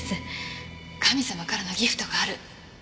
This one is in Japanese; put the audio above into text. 神様からのギフトがある。